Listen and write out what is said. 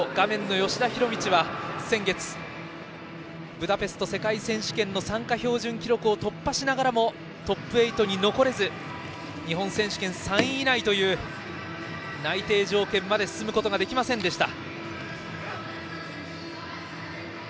吉田弘道は先月ブダペスト世界選手権の参加標準記録を突破しながらもトップ８に残れず日本選手権３位以内という内定条件まで進むことができませんでした。